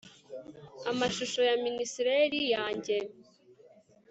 Amashusho ya minstrel yanjye